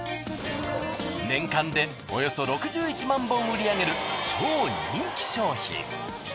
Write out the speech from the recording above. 年間でおよそ６１万本売り上げる超人気商品。